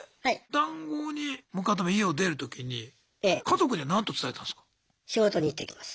談合に向かうため家を出る時に家族には何と伝えたんすか？